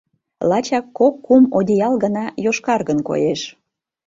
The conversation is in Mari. Лачак кок-кум одеял гына йошкаргын коеш.